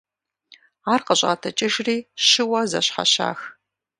Ар къыщӀатӏыкӏыжри щыуэ зэщхьэщах.